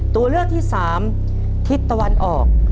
ตัวเลือกที่สามทิศตะวันออก